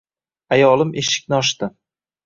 Ayolim eshikni ochdi